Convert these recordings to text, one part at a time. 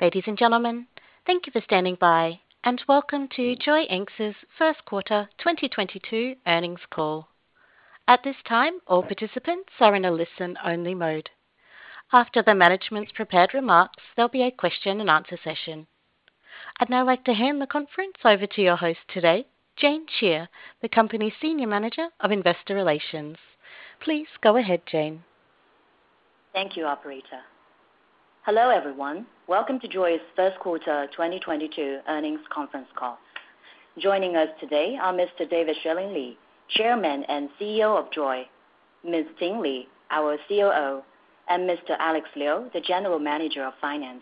Ladies and gentlemen, thank you for standing by and welcome to JOYY Inc.'s First Quarter 2022 Earnings Call. At this time, all participants are in a listen-only mode. After the management's prepared remarks, there'll be a question-and-answer session. I'd now like to hand the conference over to your host today, Jane Xie, the company's Senior Manager of Investor Relations. Please go ahead, Jane. Thank you, operator. Hello, everyone. Welcome to JOYY's first quarter 2022 earnings conference call. Joining us today are Mr. David Xueling Li, Chairman and CEO of JOYY, Ms. Ting Li, our COO, and Mr. Alex Liu, the General Manager of Finance.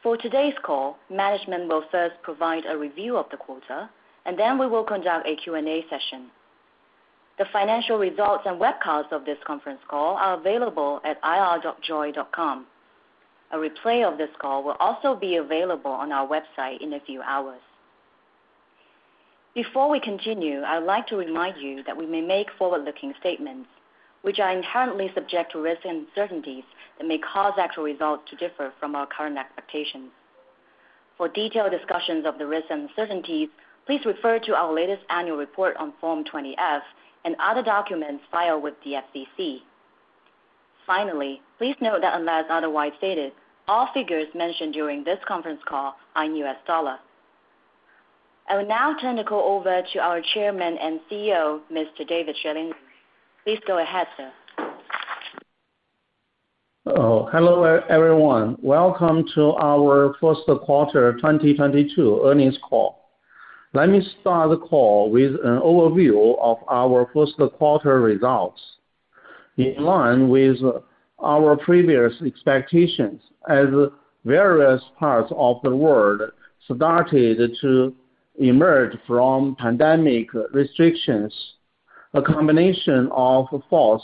For today's call, management will first provide a review of the quarter, and then we will conduct a Q&A session. The financial results and webcasts of this conference call are available at ir.joyy.com. A replay of this call will also be available on our website in a few hours. Before we continue, I would like to remind you that we may make forward-looking statements, which are inherently subject to risks and uncertainties that may cause actual results to differ from our current expectations. For detailed discussions of the risks and uncertainties, please refer to our latest annual report on Form 20-F and other documents filed with the SEC. Finally, please note that unless otherwise stated, all figures mentioned during this conference call are in U.S. dollars. I will now turn the call over to our Chairman and CEO, Mr. David Xueling Li. Please go ahead, sir. Hello, everyone. Welcome to our first quarter 2022 earnings call. Let me start the call with an overview of our first quarter results. In line with our previous expectations, as various parts of the world started to emerge from pandemic restrictions, a combination of factors,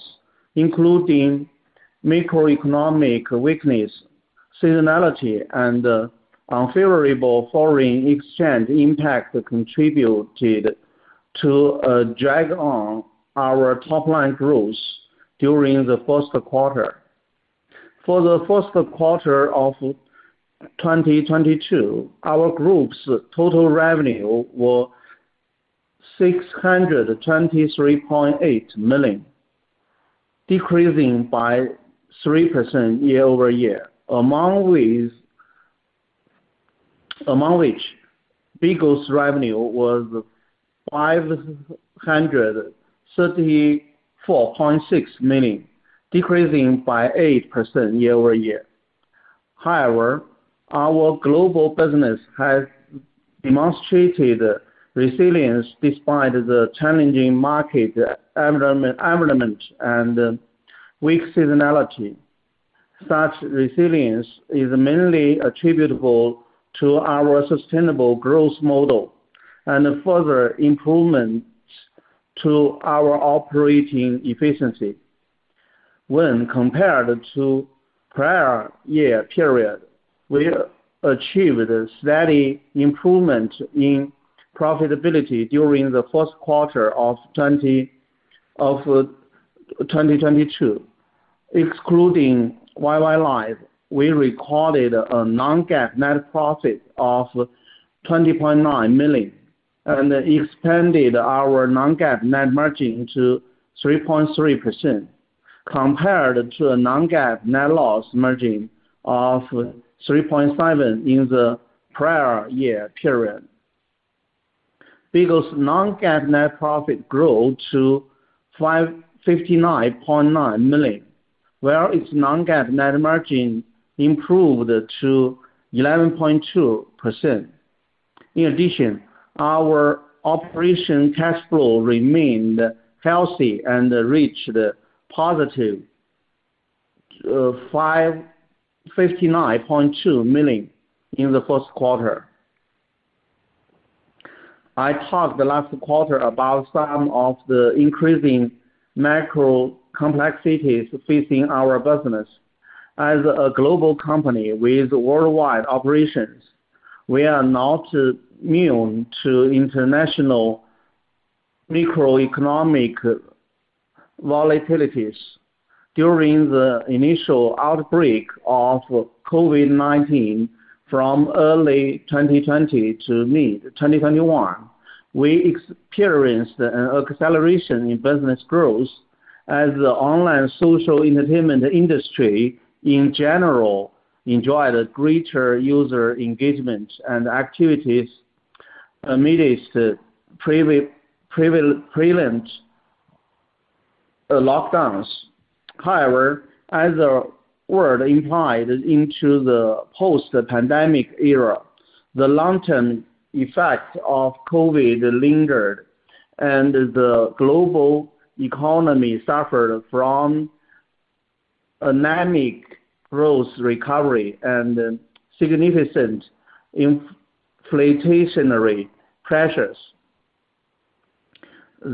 including macroeconomic weakness, seasonality, and unfavorable foreign exchange impact contributed to drag on our top-line growth during the first quarter. For the first quarter of 2022, our group's total revenue was $623.8 million, decreasing by 3% year-over-year. Among which BIGO's revenue was $534.6 million, decreasing by 8% year-over-year. However, our global business has demonstrated resilience despite the challenging market environment and weak seasonality. Such resilience is mainly attributable to our sustainable growth model and further improvements to our operating efficiency. When compared to prior year period, we achieved a steady improvement in profitability during the first quarter of 2022. Excluding YY Live, we recorded a non-GAAP net profit of $20.9 million and expanded our non-GAAP net margin to 3.3% compared to a non-GAAP net loss margin of 3.5% in the prior year period. BIGO's non-GAAP net profit grew to $59.9 million, while its non-GAAP net margin improved to 11.2%. In addition, our operating cash flow remained healthy and reached positive $59.2 million in the first quarter. I talked last quarter about some of the increasing macro complexities facing our business. As a global company with worldwide operations, we are not immune to international macroeconomic volatilities. During the initial outbreak of COVID-19 from early 2020 to mid 2021, we experienced an acceleration in business growth as the online social entertainment industry in general enjoyed greater user engagement and activities amidst prevalent lockdowns. However, as the world emerged into the post-pandemic era, the long-term effect of COVID lingered, and the global economy suffered from anemic growth recovery and significant inflationary pressures.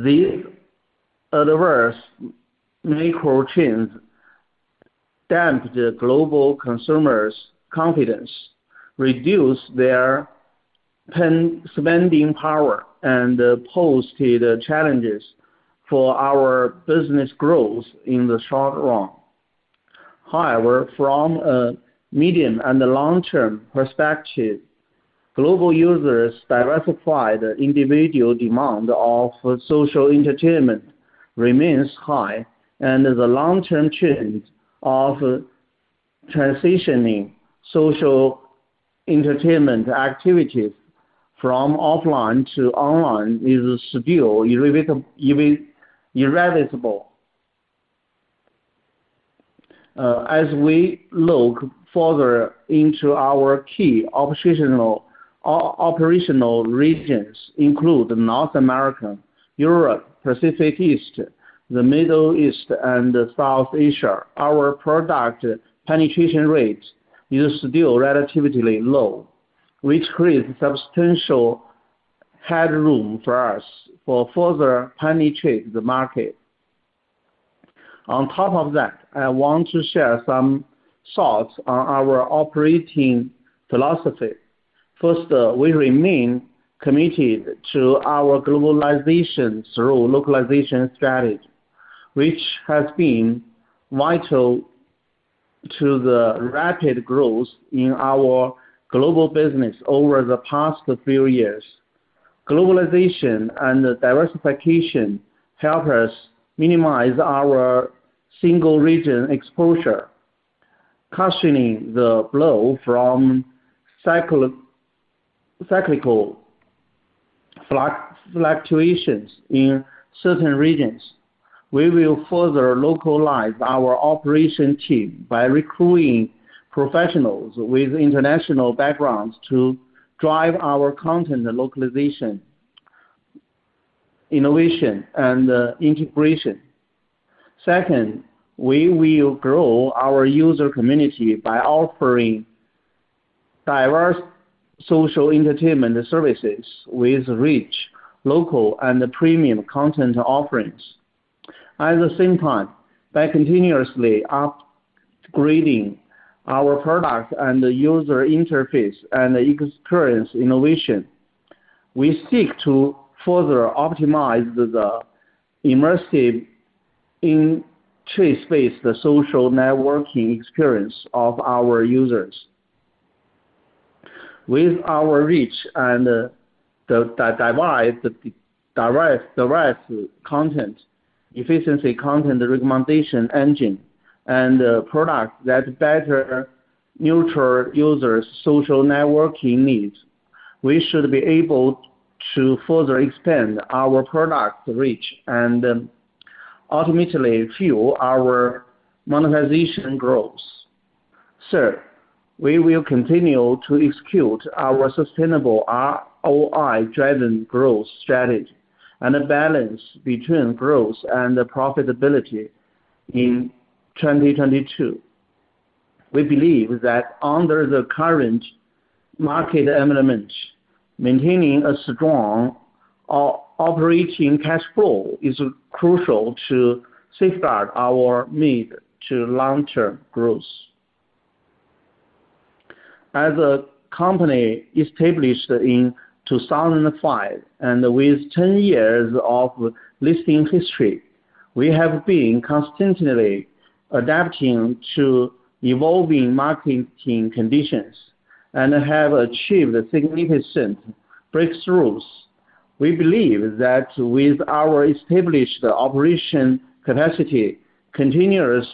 These adverse macro trends damped the global consumers' confidence, reduced their spending power and posed challenges for our business growth in the short run. However, from a medium and long-term perspective, global users diversified individual demand for social entertainment remains high, and the long-term trend of transitioning social entertainment activities from offline to online is still irreversible. As we look further into our key operational regions include North America, Europe, Southeast Asia, the Middle East, and South Asia. Our product penetration rates is still relatively low, which creates substantial headroom for us for further penetrate the market. On top of that, I want to share some thoughts on our operating philosophy. First, we remain committed to our globalization through localization strategy, which has been vital to the rapid growth in our global business over the past few years. Globalization and diversification help us minimize our single region exposure, cushioning the blow from cyclical fluctuations in certain regions. We will further localize our operation team by recruiting professionals with international backgrounds to drive our content localization, innovation, and integration. Second, we will grow our user community by offering diverse social entertainment services with rich local and premium content offerings. At the same time, by continuously upgrading our product and user interface and experience innovation, we seek to further optimize the, the social networking experience of our users. With our reach and the direct content efficiency, content recommendation engine, and products that better nurture users' social networking needs, we should be able to further expand our product reach and ultimately fuel our monetization growth. Third, we will continue to execute our sustainable ROI-driven growth strategy and a balance between growth and profitability in 2022. We believe that under the current market environment, maintaining a strong operating cash flow is crucial to safeguard our needs for long-term growth. As a company established in 2005 and with 10 years of listing history, we have been constantly adapting to evolving market conditions and have achieved significant breakthroughs. We believe that with our established operation capacity, continuous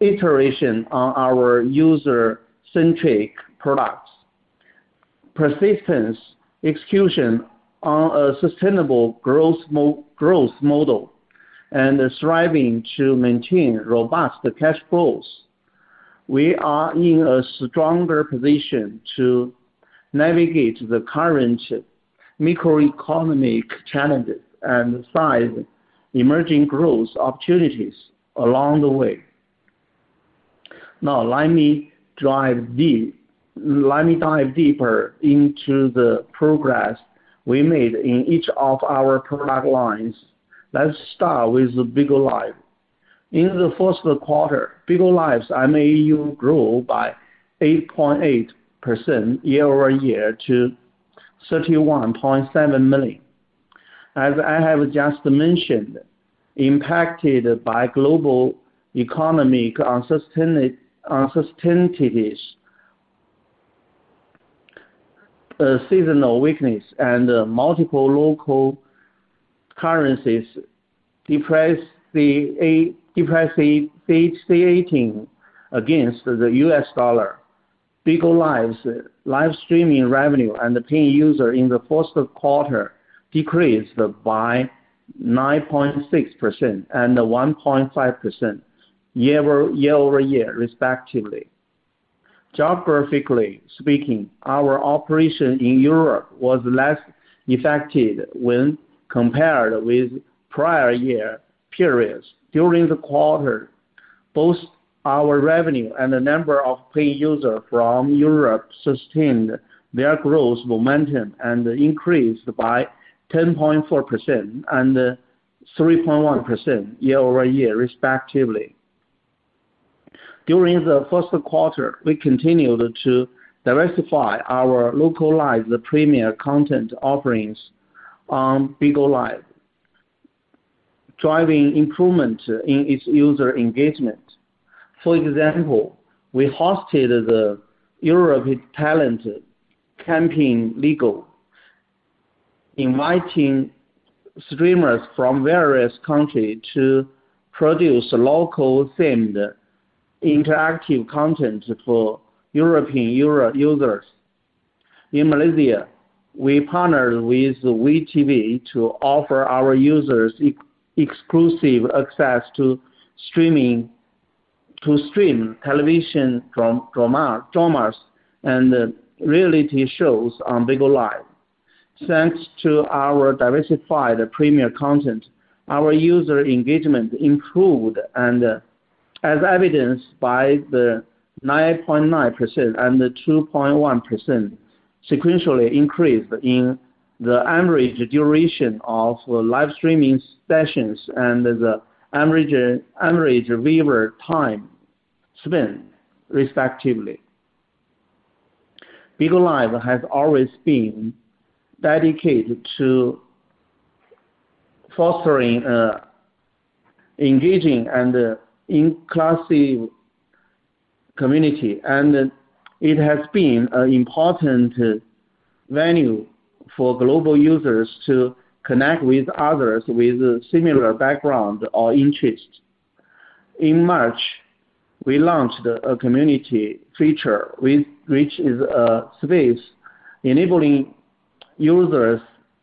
iteration on our user-centric products, persistent execution on a sustainable growth model, and striving to maintain robust cash flows, we are in a stronger position to navigate the current macroeconomic challenges and find emerging growth opportunities along the way. Let me dive deeper into the progress we made in each of our product lines. Let's start with BIGO LIVE. In the first quarter, BIGO LIVE's MAU grew by 8.8% year-over-year to 31.7 million. As I have just mentioned, impacted by global economic uncertainties, seasonal weakness and multiple local currencies depreciated against the U.S. dollar. BIGO LIVE's live streaming revenue and the paying users in the first quarter decreased by 9.6% and 1.5% year-over-year, respectively. Geographically speaking, our operation in Europe was less affected when compared with prior year periods. During the quarter, both our revenue and the number of paying users from Europe sustained their growth momentum and increased by 10.4% and 3.1% year-over-year, respectively. During the first quarter, we continued to diversify our localized premier content offerings on BIGO LIVE, driving improvement in its user engagement. For example, we hosted the Europe Talent Champions League, inviting streamers from various countries to produce local themed interactive content for European users. In Malaysia, we partnered with WeTV to offer our users exclusive access to streaming television dramas and reality shows on BIGO LIVE. Thanks to our diversified premier content, our user engagement improved and as evidenced by the 9.9% and the 2.1% sequential increase in the average duration of live streaming sessions and the average viewer time spent respectively. BIGO LIVE has always been dedicated to fostering engaging and inclusive community. It has been an important venue for global users to connect with others with similar background or interests. In March, we launched a community feature which is a space enabling users,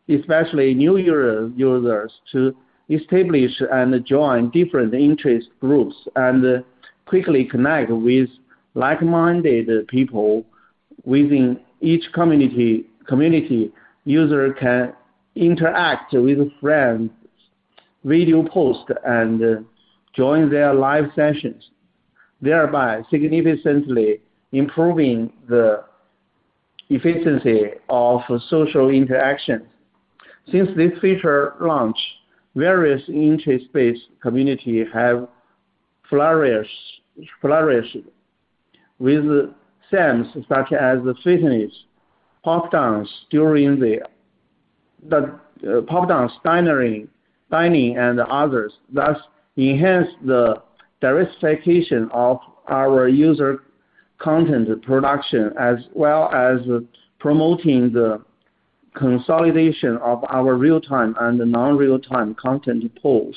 especially new European users, to establish and join different interest groups and quickly connect with like-minded people within each community. User can interact with friends, video post, and join their live sessions, thereby significantly improving the efficiency of social interaction. Since this feature launch, various interest-based communities have flourished with themes such as fitness, pop dance, dining, and others, thus enhancing the diversification of our user content production, as well as promoting the consolidation of our real-time and non-real-time content pools.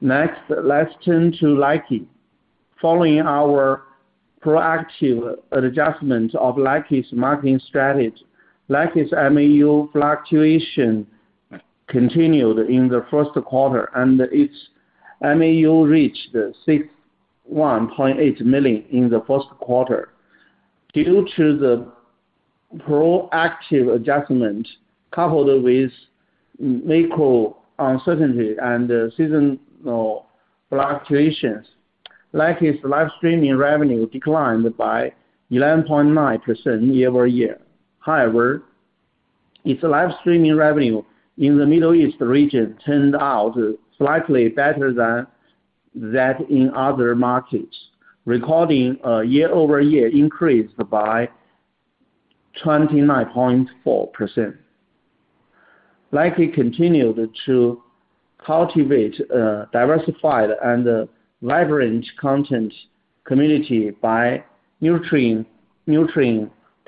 Next, let's turn to Likee. Following our proactive adjustment of Likee's marketing strategy, Likee's MAU fluctuation continued in the first quarter, and its MAU reached 61.8 million in the first quarter. Due to the proactive adjustment coupled with macro uncertainty and seasonal fluctuations, Likee's live streaming revenue declined by 11.9% year-over-year. However, its live streaming revenue in the Middle East region turned out slightly better than that in other markets, recording a year-over-year increase by 29.4%. Likee continued to cultivate a diversified and vibrant content community by nurturing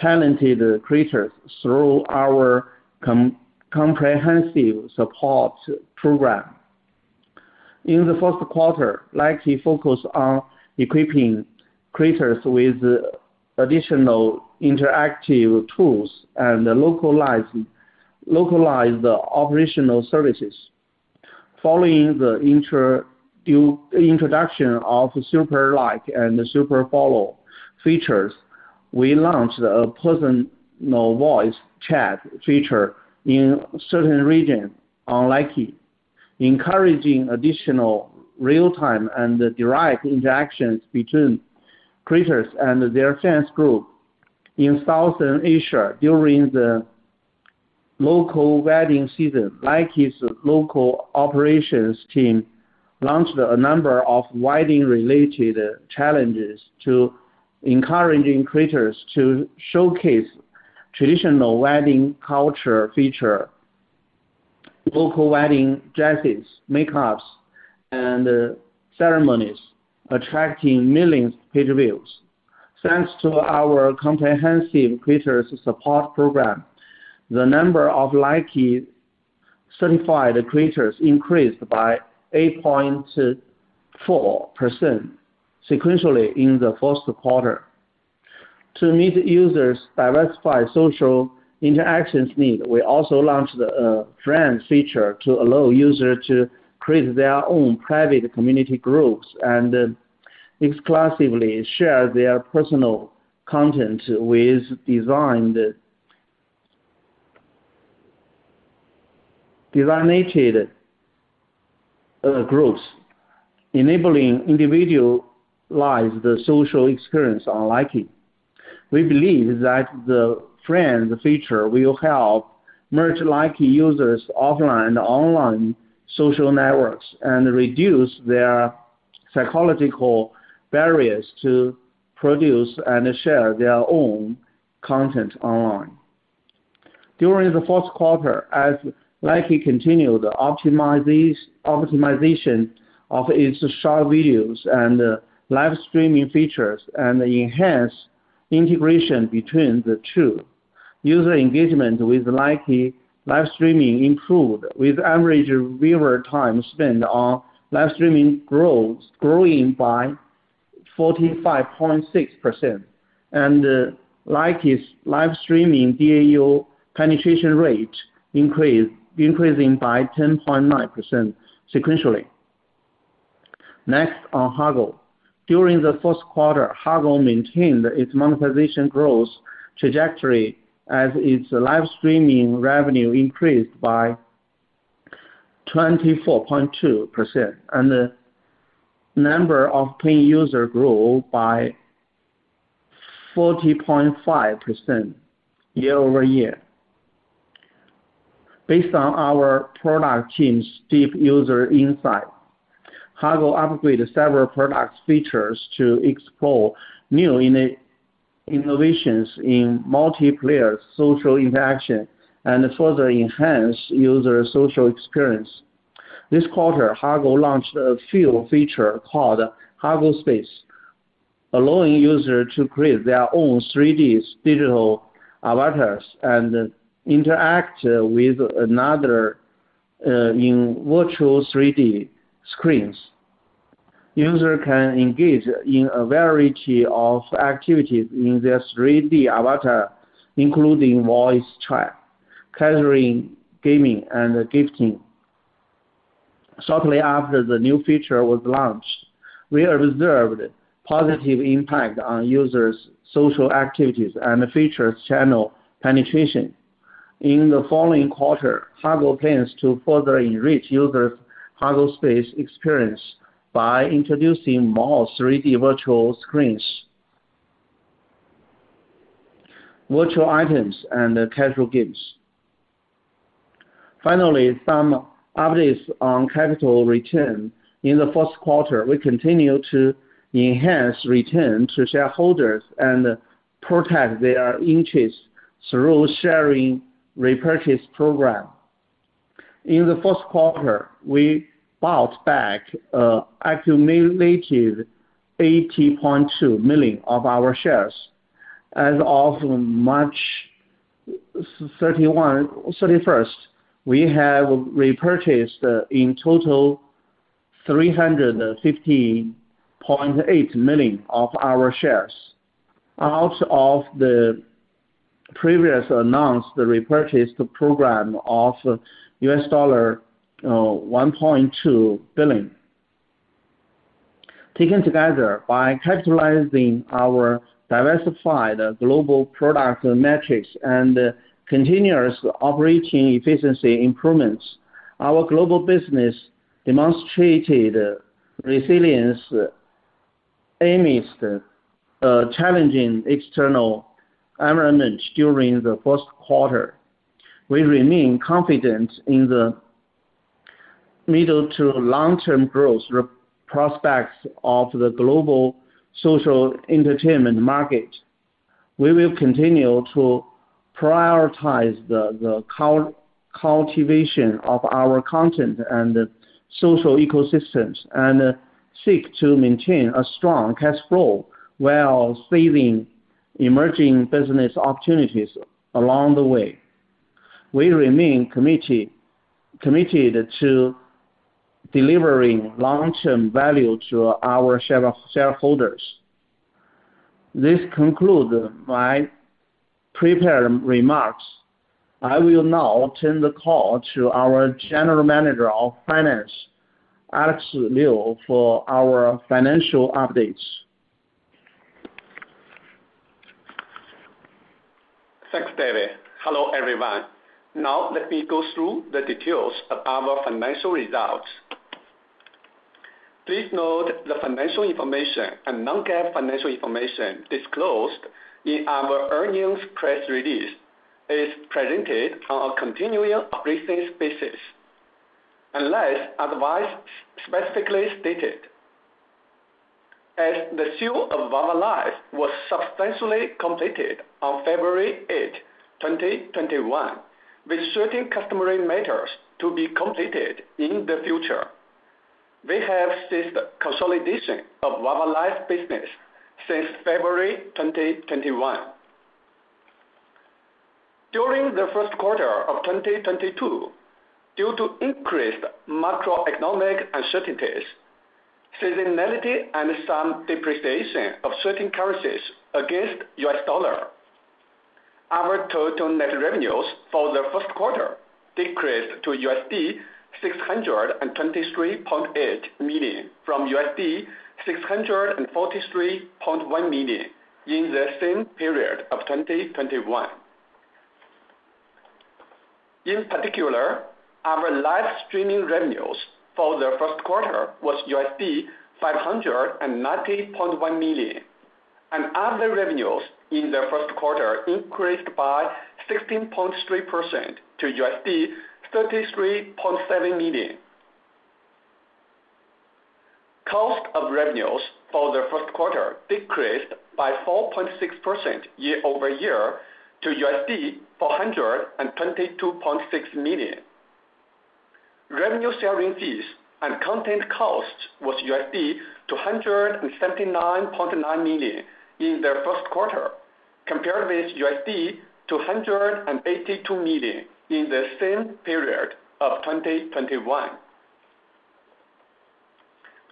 talented creators through our comprehensive support program. In the first quarter, Likee focused on equipping creators with additional interactive tools and localized operational services. Following the introduction of Super Likee and Super Follow features, we launched a personal voice chat feature in certain regions on Likee, encouraging additional real-time and direct interactions between creators and their fans group. In South Asia during the local wedding season, Likee's local operations team launched a number of wedding-related challenges to encourage creators to showcase traditional wedding culture, featuring local wedding dresses, makeups, and ceremonies, attracting millions of page views. Thanks to our comprehensive creators support program, the number of Likee certified creators increased by 8.4% sequentially in the first quarter. To meet users diversified social interactions need, we also launched a friend feature to allow user to create their own private community groups and exclusively share their personal content with designed, designated, groups, enabling individualized social experience on Likee. We believe that the trend, the feature will help merge Likee users offline, online social networks, and reduce their psychological barriers to produce and share their own content online. During the first quarter, as Likee continued optimization of its short videos and live streaming features and enhance integration between the two. User engagement with Likee live streaming improved with average viewer time spent on live streaming growing by 45.6%. Likee's live streaming DAU penetration rate increasing by 10.9% sequentially. Next on Hago. During the first quarter, Hago maintained its monetization growth trajectory as its live streaming revenue increased by 24.2%, and the number of paying users grew by 40.5% year-over-year. Based on our product team's deep user insight, Hago upgraded several product features to explore new innovations in multiplayer social interaction and further enhance user social experience. This quarter, Hago launched a new feature called Hago Space, allowing users to create their own 3D digital avatars and interact with others in virtual 3D screens. Users can engage in a variety of activities in their 3D avatar, including voice chat, coloring, gaming, and gifting. Shortly after the new feature was launched, we observed positive impact on users' social activities and the feature's channel penetration. In the following quarter, Hago plans to further enrich users' Hago Space experience by introducing more 3D virtual screens, virtual items and casual games. Finally, some updates on capital return. In the first quarter, we continued to enhance return to shareholders and protect their interest through share repurchase program. In the first quarter, we bought back accumulated 80.2 million of our shares. As of March 31st, we have repurchased in total 350.8 million of our shares out of the previous announced repurchase program of $1.2 billion. Taken together by capitalizing our diversified global product metrics and continuous operating efficiency improvements, our global business demonstrated resilience amidst challenging external environment during the first quarter. We remain confident in the middle to long-term growth prospects of the global social entertainment market. We will continue to prioritize the cultivation of our content and social ecosystems and seek to maintain a strong cash flow while seizing emerging business opportunities along the way. We remain committed to delivering long-term value to our shareholders. This conclude my prepared remarks. I will now turn the call to our General Manager of Finance, Alex Liu, for our financial updates. Thanks, David. Hello, everyone. Now let me go through the details of our financial results. Please note the financial information and non-GAAP financial information disclosed in our earnings press release is presented on a continuing operating basis, unless otherwise specifically stated. As the sale of YY Live was substantially completed on February 8, 2021, with certain customary matters to be completed in the future, we have ceased consolidation of YY Live business since February 2021. During the first quarter of 2022, due to increased macroeconomic uncertainties, seasonality and some depreciation of certain currencies against U.S. dollar, our total net revenues for the first quarter decreased to $623.8 million from $643.1 million in the same period of 2021. In particular, our live streaming revenues for the first quarter was $590.1 million. Other revenues in the first quarter increased by 16.3% to $33.7 million. Cost of revenues for the first quarter decreased by 4.6% year-over-year to $422.6 million. Revenue sharing fees and content costs was $279.9 million in the first quarter compared with $282 million in the same period of 2021.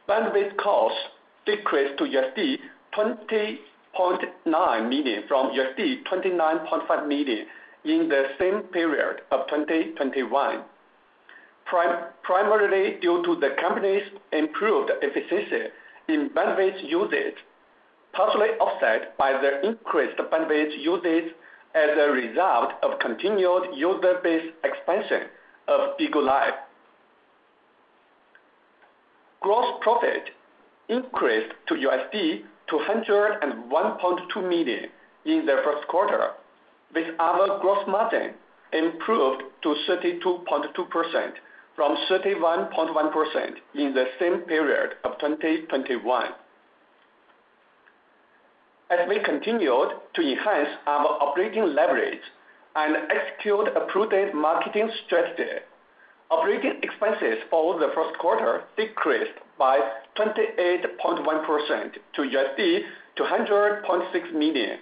Bandwidth costs decreased to $20.9 million from $29.5 million in the same period of 2021. Primarily due to the company's improved efficiency in bandwidth usage, partially offset by the increased bandwidth usage as a result of continued user base expansion of BIGO LIVE. Gross profit increased to $201.2 million in the first quarter, with our gross margin improved to 32.2% from 31.1% in the same period of 2021. As we continued to enhance our operating leverage and execute a prudent marketing strategy, operating expenses for the first quarter decreased by 28.1% to $200.6 million,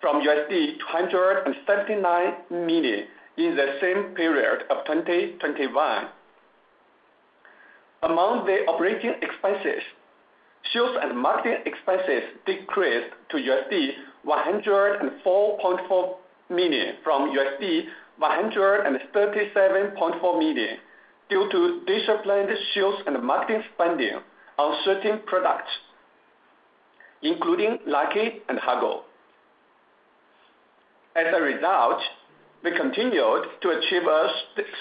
from $279 million in the same period of 2021. Among the operating expenses, sales and marketing expenses decreased to $104.4 million from $137.4 million due to disciplined sales and marketing spending on certain products, including Likee and Hago. As a result, we continued to achieve a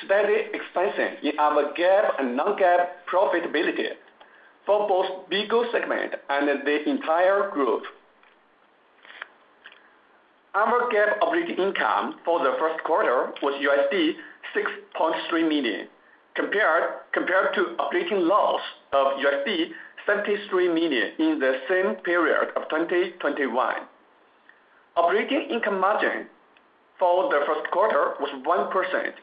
steady expansion in our GAAP and non-GAAP profitability for both BIGO segment and the entire group. Our GAAP operating income for the first quarter was $6.3 million, compared to operating loss of $73 million in the same period of 2021. Operating income margin for the first quarter was 1%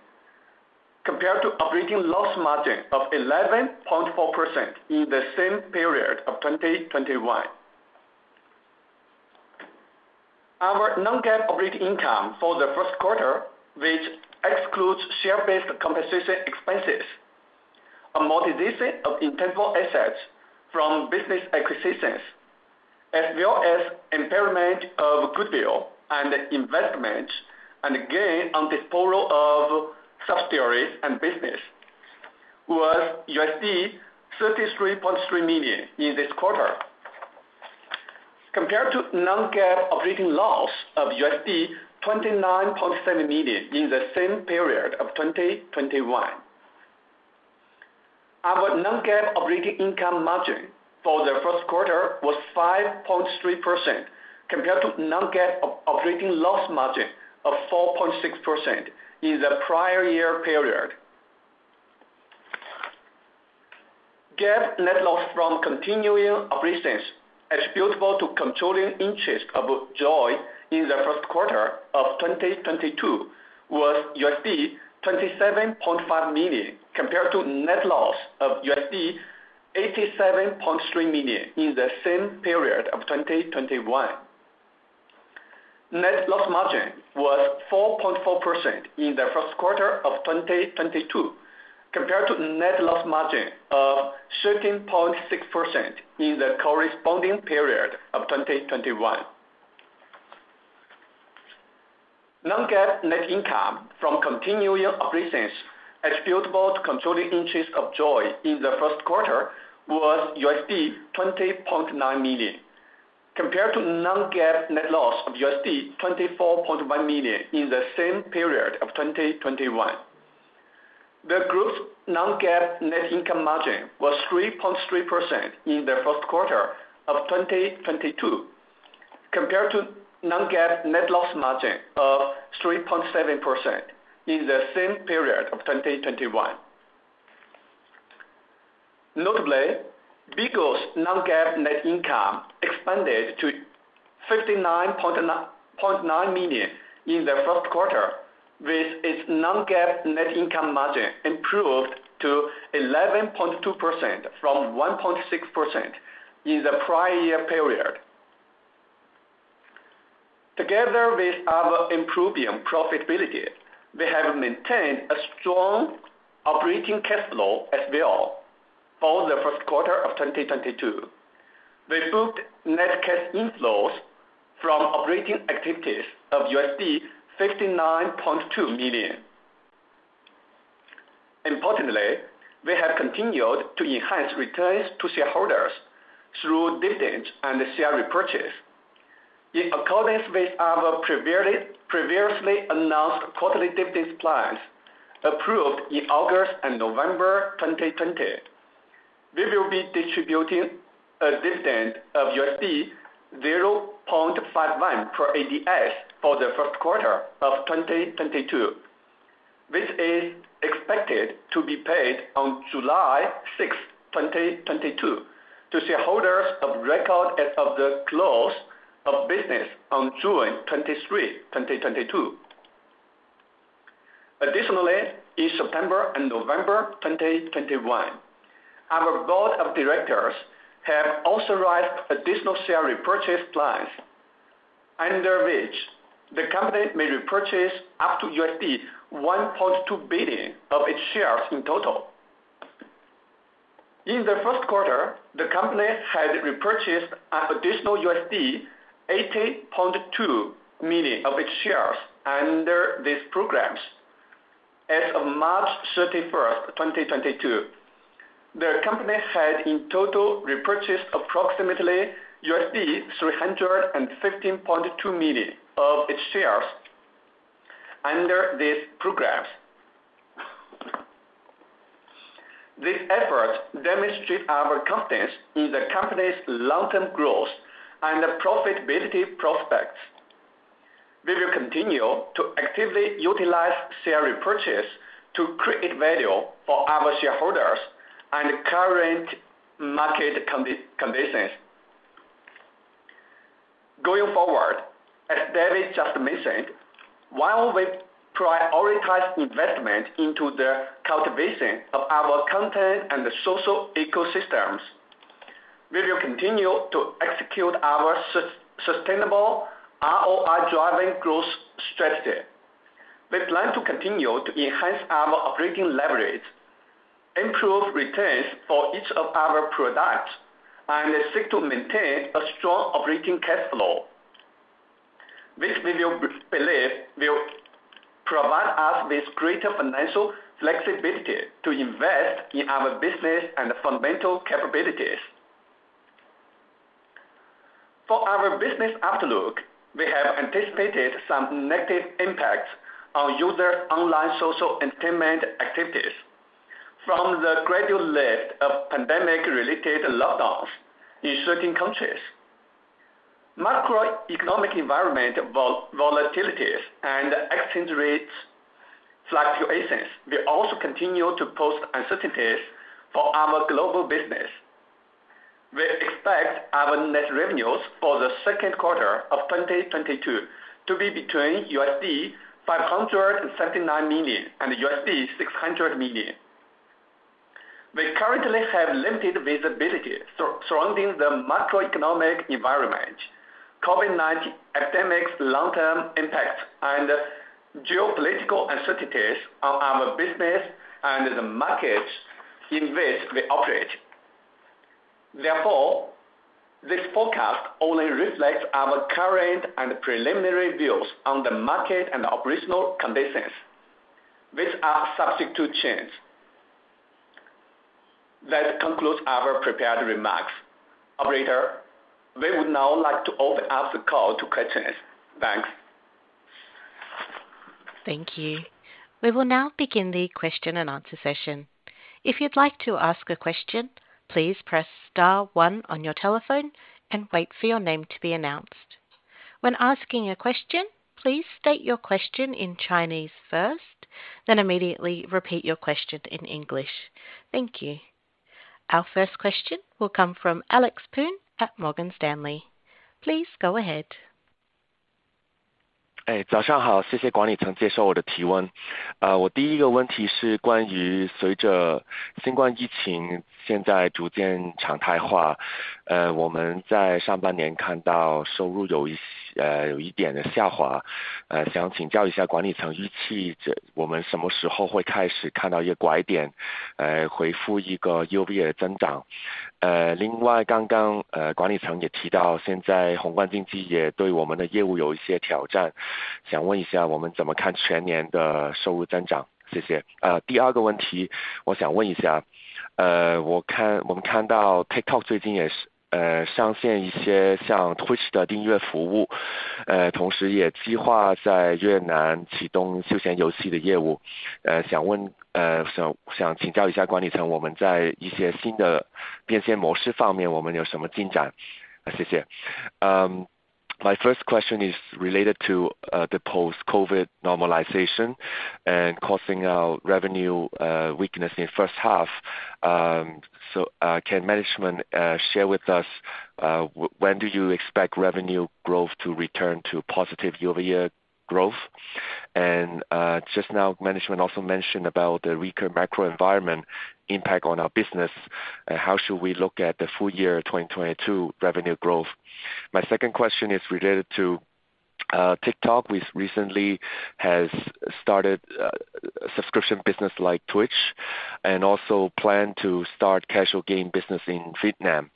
compared to operating loss margin of 11.4% in the same period of 2021. Our non-GAAP operating income for the first quarter, which excludes share-based compensation expenses, amortization of intangible assets from business acquisitions, as well as impairment of goodwill and investment and gain on disposal of subsidiaries and business, was $33.3 million in this quarter compared to non-GAAP operating loss of $29.7 million in the same period of 2021. Our non-GAAP operating income margin for the first quarter was 5.3% compared to non-GAAP operating loss margin of 4.6% in the prior year period. GAAP net loss from continuing operations attributable to controlling interest of JOYY in the first quarter of 2022 was $27.5 million, compared to net loss of $87.3 million in the same period of 2021. Net loss margin was 4.4% in the first quarter of 2022, compared to net loss margin of 13.6% in the corresponding period of 2021. Non-GAAP net income from continuing operations attributable to controlling interest of JOYY in the first quarter was $20.9 million, compared to non-GAAP net loss of $24.1 million in the same period of 2021. The group's non-GAAP net income margin was 3.3% in the first quarter of 2022, compared to non-GAAP net loss margin of 3.7% in the same period of 2021. Notably, BIGO's non-GAAP net income expanded to $59.9 million in the first quarter, with its non-GAAP net income margin improved to 11.2% from 1.6% in the prior year period. Together with our improving profitability, we have maintained a strong operating cash flow as well for the first quarter of 2022. We booked net cash inflows from operating activities of $59.2 million. Importantly, we have continued to enhance returns to shareholders through dividends and share repurchase. In accordance with our previously announced quarterly dividends plans approved in August and November 2020, we will be distributing a dividend of $0.59 per ADS for the first quarter of 2022. This is expected to be paid on July 6, 2022 to shareholders of record as of the close of business on June 23, 2022. Additionally, in September and November 2021, our board of directors have authorized additional share repurchase plans under which the company may repurchase up to $1.2 billion of its shares in total. In the first quarter, the company had repurchased an additional $80.2 million of its shares under these programs. As of March 31st, 2022, the company had in total repurchased approximately $315.2 million of its shares under these programs. These efforts demonstrate our confidence in the company's long-term growth and profitability prospects. We will continue to actively utilize share repurchase to create value for our shareholders and current market conditions. Going forward, as David just mentioned, while we prioritize investment into the cultivation of our content and social ecosystems, we will continue to execute our sustainable ROI-driving growth strategy. We plan to continue to enhance our operating leverage, improve returns for each of our products, and seek to maintain a strong operating cash flow. This we will believe will provide us with greater financial flexibility to invest in our business and fundamental capabilities. For our business outlook, we have anticipated some negative impacts on user online social entertainment activities from the gradual lift of pandemic-related lockdowns in certain countries. Macroeconomic environment volatilities and exchange rates fluctuations will also continue to pose uncertainties for our global business. We expect our net revenues for the second quarter of 2022 to be between $579 million and $600 million. We currently have limited visibility surrounding the macroeconomic environment, COVID-19 epidemic's long-term impact, and geopolitical uncertainties on our business and the markets in which we operate. Therefore, this forecast only reflects our current and preliminary views on the market and operational conditions, which are subject to change. That concludes our prepared remarks. Operator, we would now like to open up the call to questions. Thanks. Thank you. We will now begin the question-and-answer session. If you'd like to ask a question, please press star one on your telephone and wait for your name to be announced. When asking a question, please state your question in Chinese first, then immediately repeat your question in English. Thank you. Our first question will come from Alex Poon at Morgan Stanley. Please go ahead. Hey, My first question is related to the post-COVID normalization and causing our revenue weakness in first half. Can management share with us when do you expect revenue growth to return to positive year-over-year growth? Just now management also mentioned about the weaker macro environment impact on our business. How should we look at the full year 2022 revenue growth? My second question is related to TikTok, which recently has started a subscription business like Twitch. Also plan to start casual game business in Vietnam.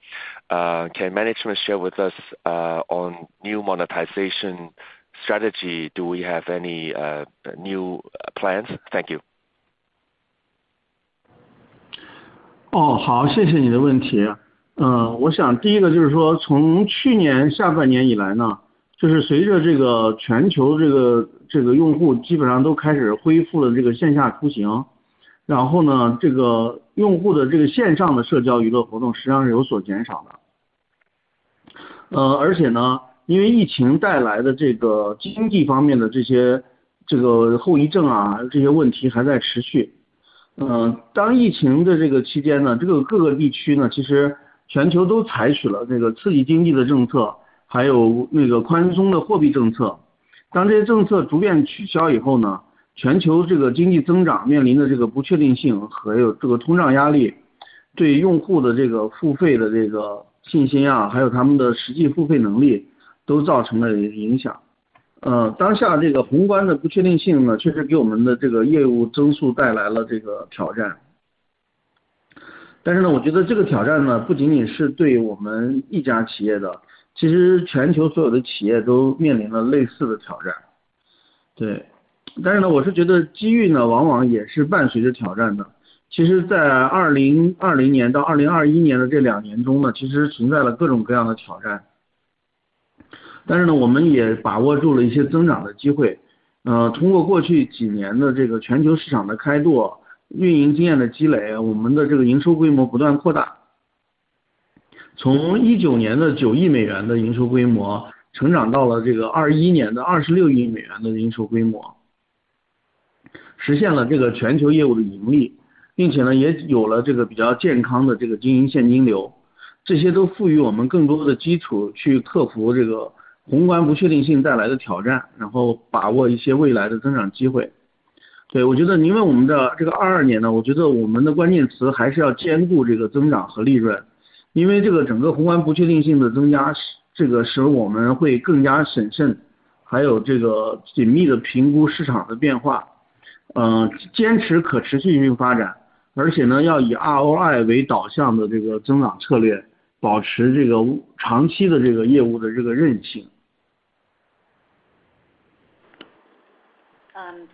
Can management share with us on new monetization strategy? Do we have any new plans? Thank you.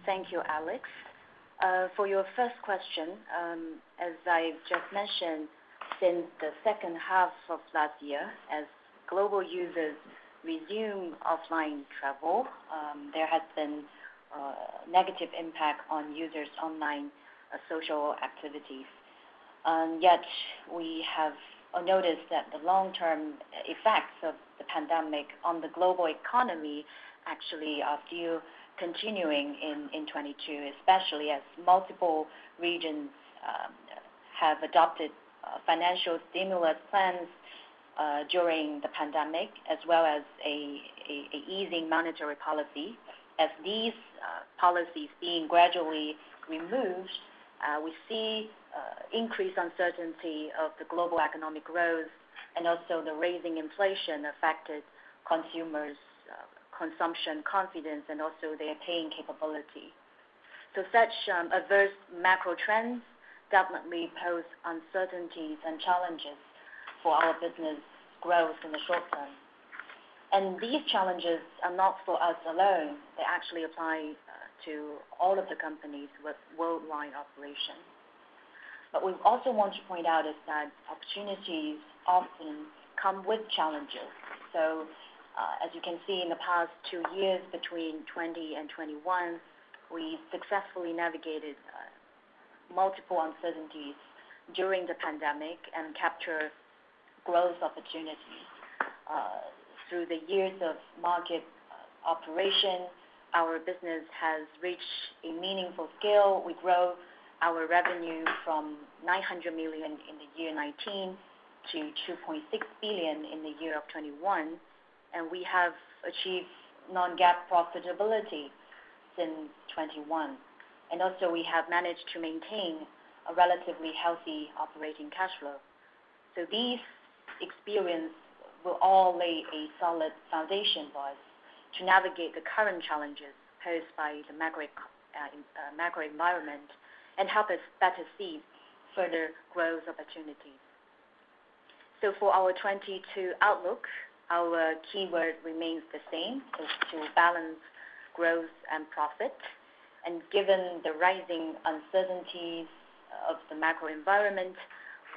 Thank you, Alex. For your first question, as I just mentioned, since the second half of last year, as global users resume offline travel, there had been negative impact on users' online social activities. Yet we have noticed that the long-term effects of the pandemic on the global economy actually are still continuing in 2022, especially as multiple regions have adopted financial stimulus plans during the pandemic as well as easing monetary policy. As these policies being gradually removed, we see increased uncertainty of the global economic growth and also the rising inflation affected consumers' consumption confidence and also their paying capability. Such adverse macro trends definitely pose uncertainties and challenges for our business growth in the short term. These challenges are not for us alone. They actually apply to all of the companies with worldwide operations. We also want to point out that opportunities often come with challenges. As you can see, in the past two years, between 2020 and 2021, we successfully navigated multiple uncertainties during the pandemic and captured growth opportunities. Through the years of market operation, our business has reached a meaningful scale. We grew our revenue from $900 million in the year 2019 to $2.6 billion in the year of 2021, and we have achieved non-GAAP profitability since 2021. We also have managed to maintain a relatively healthy operating cash flow. These experiences will all lay a solid foundation for us to navigate the current challenges posed by the macro environment and help us better seize further growth opportunities. For our 2022 outlook, our keyword remains the same, is to balance growth and profit. Given the rising uncertainties of the macro environment,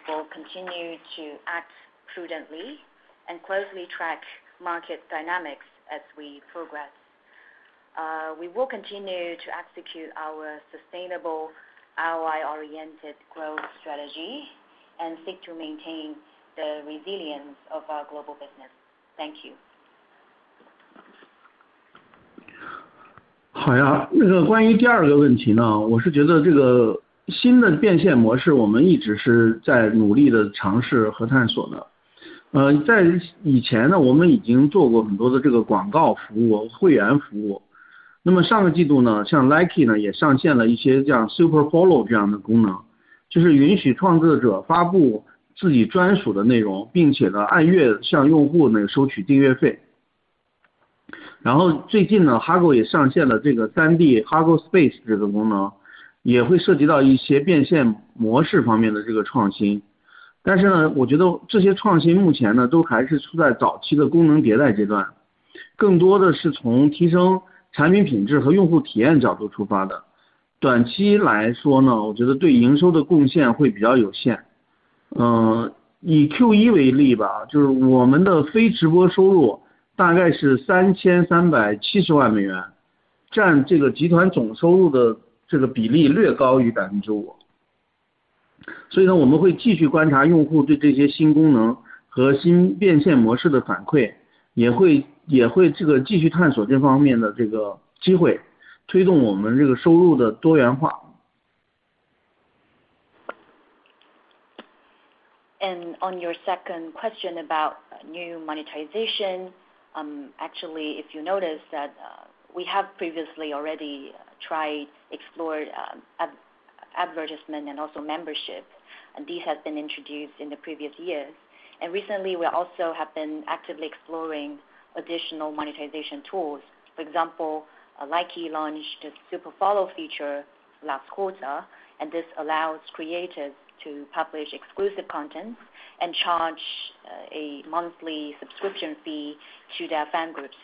we'll continue to act prudently and closely track market dynamics as we progress. We will continue to execute our sustainable ROI-oriented growth strategy and seek to maintain the resilience of our global business. Thank you. On your second question about new monetization, actually if you notice that we have previously already tried to explore advertisement and also membership, and these have been introduced in the previous years. Recently we also have been actively exploring additional monetization tools. For example, Likee launched a Super Follow feature last quarter, and this allows creators to publish exclusive content and charge a monthly subscription fee to their fan groups.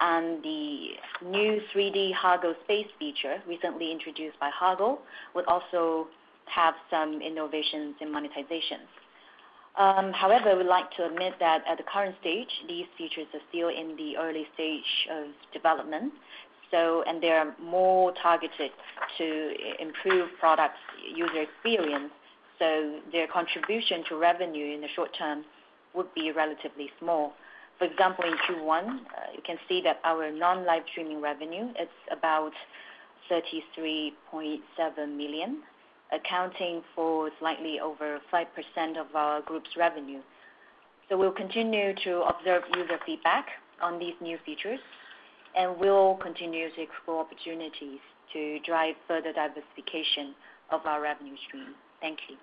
The new 3D Hago Space feature recently introduced by Hago would also have some innovations in monetization. However, we would like to admit that at the current stage these features are still in the early stage of development, so they are more targeted to improve product user experience, so their contribution to revenue in the short term would be relatively small. For example, in Q1, you can see that our non-live streaming revenue is about $33.7 million, accounting for slightly over 5% of our group's revenue. We'll continue to observe user feedback on these new features, and we'll continue to explore opportunities to drive further diversification of our revenue stream. Thank you.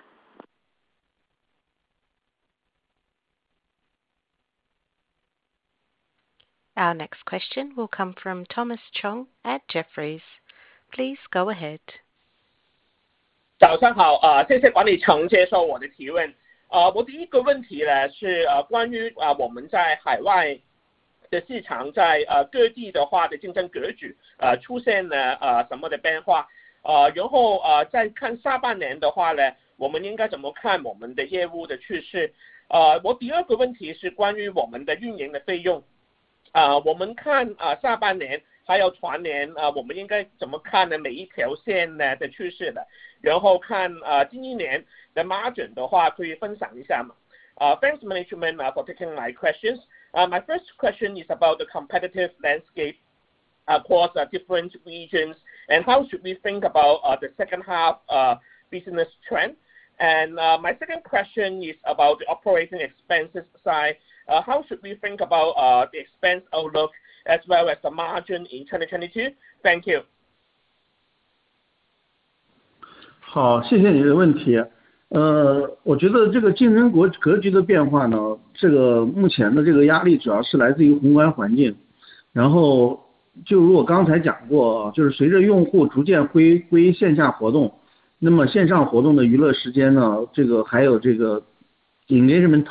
Our next question will come from Thomas Chong at Jefferies. Please go ahead. 早上好，谢谢管理层接受我的提问。我的一个问题呢，是关于我们在海外的市场，在各地的话的竞争格局，出现了什么的变化，然后，再看下半年的话呢，我们应该怎么看我们的业务的趋势？我第二个问题是关于我们的运营的费用，我们看下半年还有全年，我们应该怎么看每一条线呢的趋势的，然后看，新一年的 margin 的话，可以分享一下吗？Thanks management for taking my questions. My first question is about the competitive landscape across different regions and how should we think about the second half business trend? My second question is about the operating expenses side. How should we think about the expense outlook as well as the margin in 2022? Thank you. 好，谢谢你的问题。我觉得这个竞争格局的变化呢，目前的这个压力主要是来自于宏观环境，然后就如我刚才讲过，就是随着用户逐渐回归线下活动，那么线上活动的娱乐时间呢，这个还有这个engagement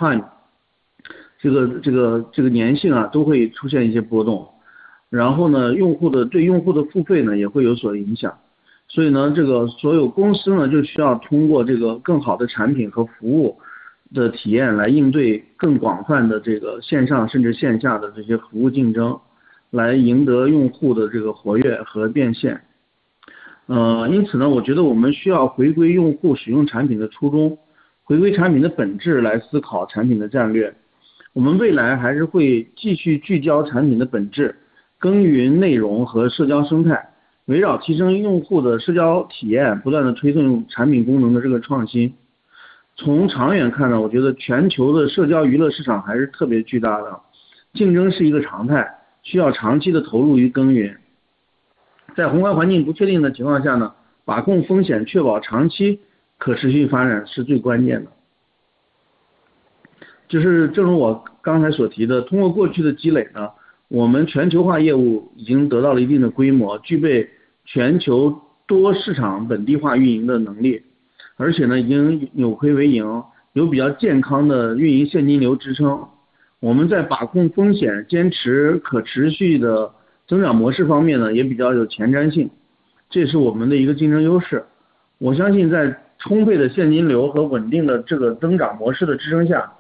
time，这个粘性啊，都会出现一些波动。然后呢，对用户的付费呢也会有所影响。所以呢，这个所有公司呢，就需要通过这个更好的产品和服务的体验来应对更广泛的这个线上甚至线下的这些服务竞争，来赢得用户的这个活跃和变现。因此呢，我觉得我们需要回归用户使用产品的初衷，回归产品的本质来思考产品的战略。我们未来还是会继续聚焦产品的本质，耕耘内容和社交生态，围绕提升用户的社交体验，不断地推动产品功能的这个创新。从长远看呢，我觉得全球的社交娱乐市场还是特别巨大的，竞争是一个常态，需要长期的投入与耕耘。在宏观环境不确定的情况下呢，把控风险，确保长期可持续发展是最关键的。正如我刚才所提的，通过过去的积累呢，我们全球化业务已经得到了一定的规模，具备全球多市场本地化运营的能力，而且呢，已经扭亏为盈，有比较健康的运营现金流支撑。我们在把控风险、坚持可持续的增长模式方面呢，也比较有前瞻性，这是我们的一个竞争优势。我相信在充沛的现金流和稳定的这个增长模式的支撑下，我们会好好地把握增长的机会，进一步提高我们市场占有率和影响力。关于下半年的业务趋势呢，第二个季度呢，通常就是这个比较弱的一个季度，属于这个斋月呀，还有这些宏观环境啊的这个持续影响带来的这个增长的不确定性。根据我们这个以往的经验呢，一般在下半年这个业务增长趋势都会好于上半年。随着这个市场的这个全球宏观环境的变化比较大吧，我们还会密切地观察市场的这个动态。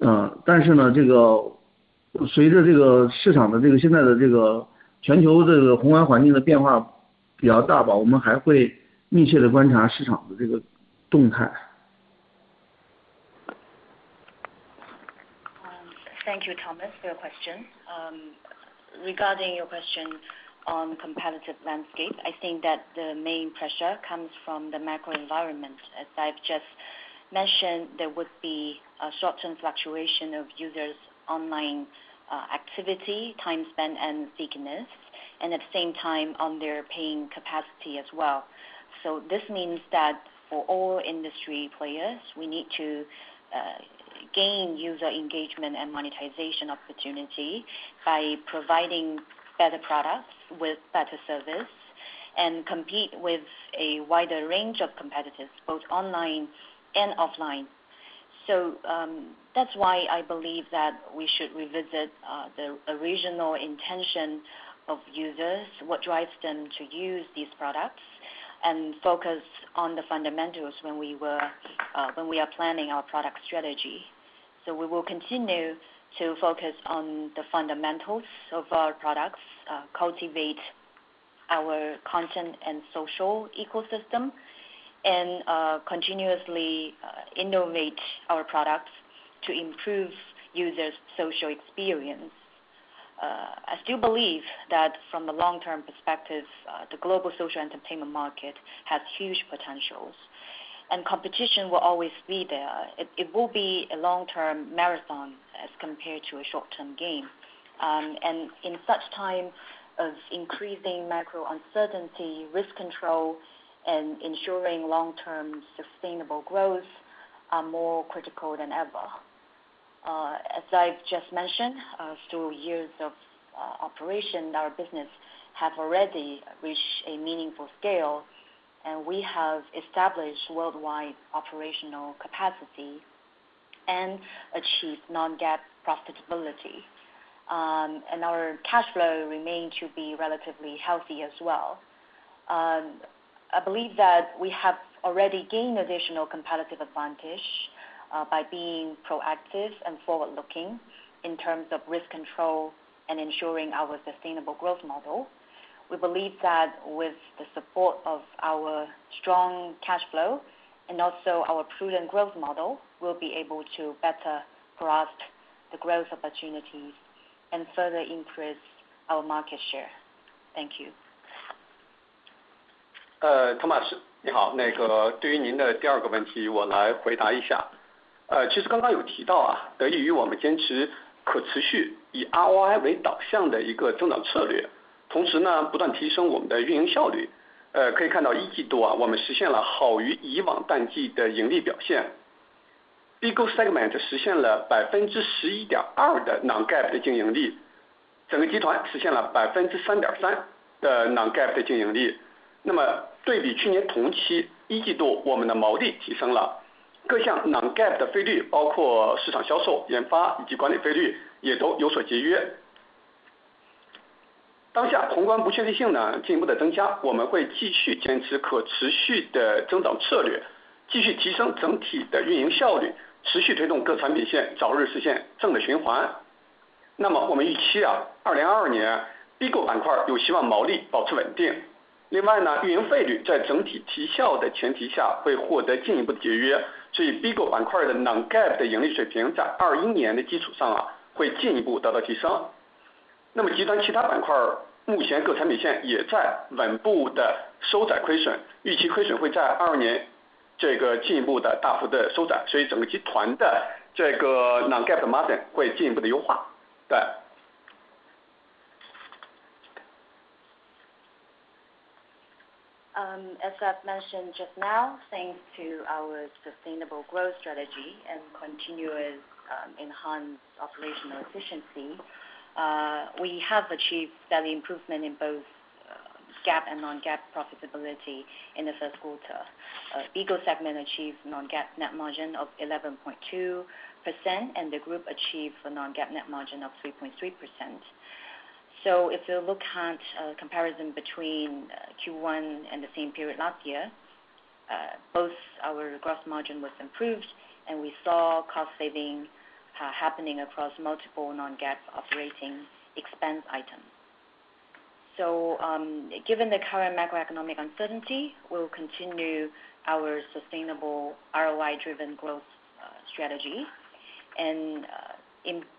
Thank you, Thomas, for your question. Regarding your question on competitive landscape, I think that the main pressure comes from the macro environment. As I've just mentioned, there would be a short-term fluctuation of users' online activity, time spent, and stickiness, and at the same time on their paying capacity as well. This means that for all industry players, we need to gain user engagement and monetization opportunity by providing better products with better service and compete with a wider range of competitors, both online and offline. That's why I believe that we should revisit the original intention of users, what drives them to use these products, and focus on the fundamentals when we are planning our product strategy. We will continue to focus on the fundamentals of our products, cultivate our content and social ecosystem, and continuously innovate our products to improve users' social experience. I still believe that from the long-term perspective, the global social entertainment market has huge potentials, and competition will always be there. It will be a long-term marathon as compared to a short-term game. In such time of increasing macro uncertainty, risk control, and ensuring long-term sustainable growth are more critical than ever. As I've just mentioned, through years of operation, our business have already reached a meaningful scale, and we have established worldwide operational capacity and achieved non-GAAP profitability. Our cash flow remain to be relatively healthy as well. I believe that we have already gained additional competitive advantage, by being proactive and forward-looking in terms of risk control and ensuring our sustainable growth model. We believe that with the support of our strong cash flow, and also our prudent growth model, we'll be able to better grasp the growth opportunities and further increase our market share. Thank you. Thomas, As I've mentioned just now, thanks to our sustainable growth strategy and continuous enhanced operational efficiency, we have achieved steady improvement in both GAAP and non-GAAP profitability in the first quarter. BIGO segment achieved non-GAAP net margin of 11.2%, and the group achieved a non-GAAP net margin of 3.3%. If you look at a comparison between Q1 and the same period last year, both our gross margin was improved and we saw cost saving happening across multiple non-GAAP operating expense items. Given the current macroeconomic uncertainty, we'll continue our sustainable ROI-driven growth strategy, and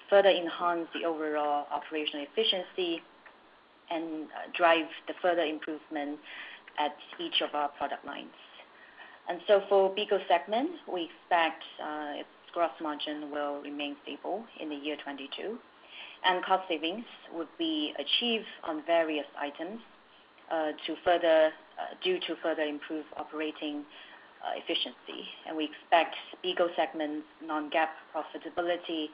further enhance the overall operational efficiency and drive the further improvement at each of our product lines. For BIGO segment, we expect its gross margin will remain stable in the year 2022, and cost savings will be achieved on various items due to further improved operating efficiency. We expect BIGO segment non-GAAP profitability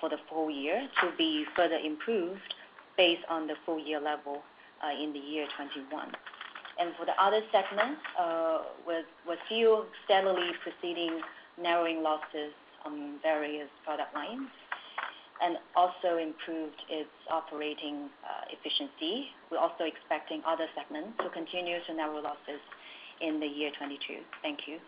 for the full year to be further improved based on the full year level in the year 2021. For the other segments, with few steadily proceeding narrowing losses on various product lines and also improved its operating efficiency. We're also expecting other segments to continue to narrow losses in the year 2022. Thank you.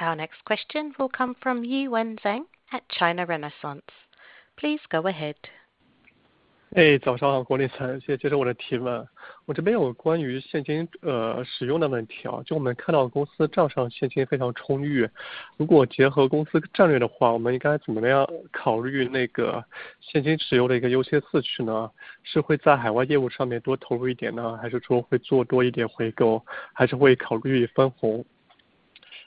Our next question will come from Yiwen Zhang at China Renaissance. Please go ahead. 早上好，国泰君安，谢谢！接着我的提问。我这边有关于现金使用的问题啊，就我们看到公司账上现金非常充裕，如果结合公司战略的话，我们应该怎么样考虑那个现金持有的一个优先次序呢？是会在海外业务上面多投入一点呢，还是说会做多一点回购，还是会考虑分红？Thanks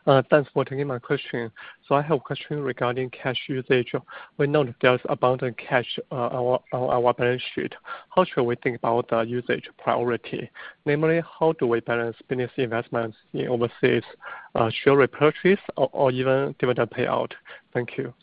for taking my question. I have a question regarding cash usage. We know there's abundant cash on our balance sheet, how should we think about the usage priority? Namely, how do we balance business investments in overseas, share repurchase or even dividend payout? Thank you.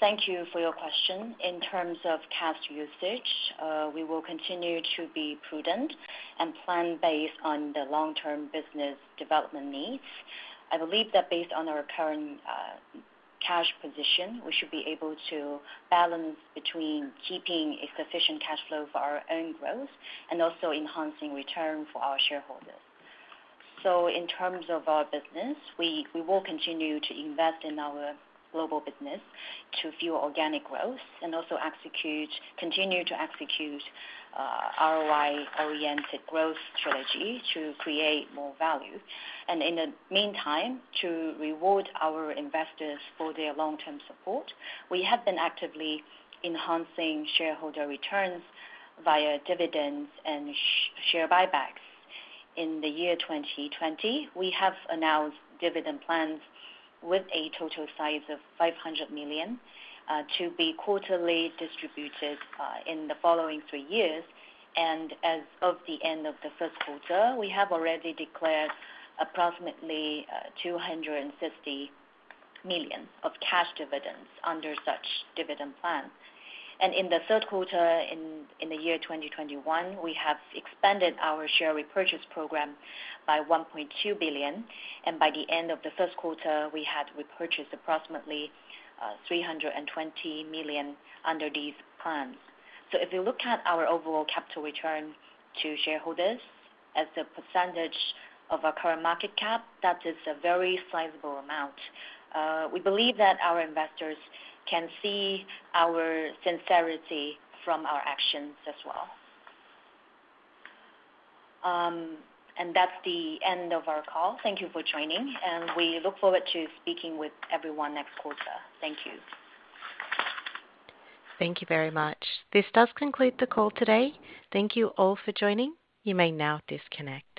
Thank you for your question. In terms of cash usage, we will continue to be prudent and plan based on the long term business development needs. I believe that based on our current cash position, we should be able to balance between keeping a sufficient cash flow for our own growth and also enhancing return for our shareholders. In terms of our business, we will continue to invest in our global business to fuel organic growth and also execute. Continue to execute ROI oriented growth strategy to create more value. In the meantime, to reward our investors for their long term support, we have been actively enhancing shareholder returns via dividends and share buybacks. In the year 2020, we have announced dividend plans with a total size of $500 million to be quarterly distributed in the following three years. As of the end of the first quarter, we have already declared approximately $250 million of cash dividends under such dividend plans. In the third quarter in the year 2021, we have expanded our share repurchase program by $1.2 billion. By the end of the first quarter, we had repurchased approximately $320 million under these plans. So if you look at our overall capital return to shareholders as a percentage of our current market cap, that is a very sizable amount. We believe that our investors can see our sincerity from our actions as well. And that's the end of our call. Thank you for joining and we look forward to speaking with everyone next quarter. Thank you. Thank you very much. This does conclude the call today. Thank you all for joining. You may now disconnect.